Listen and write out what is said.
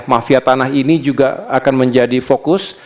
mafia tanah ini juga akan menjadi fokus